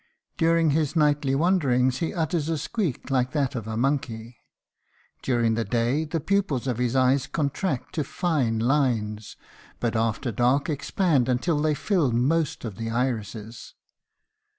During his nightly wanderings he utters a squeak like that of a monkey. During the day the pupils of his eyes contract to fine lines, but after dark expand until they fill most of the irises.